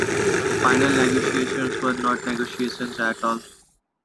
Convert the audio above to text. Final negotiations were not negotiations at all.